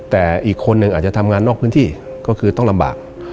แต่อีกคนนึงอาจจะทำงานนอกพื้นที่ก็คือต้องลำบาก